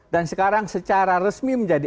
dan sekarang secara resmi menjadi